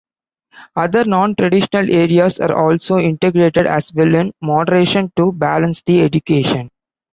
Other non-traditional areas are also integrated as well in moderation to balance the education.